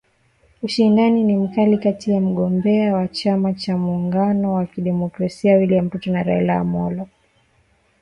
Ushindani ni mkali kati ya mgombea wa chama cha muungano wa kidemokrasia William Ruto na Raila Amollo Odinga wa chama cha Azimio la Umoja